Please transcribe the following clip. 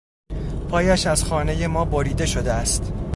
پایش از خانهٔ ما بریده شده است.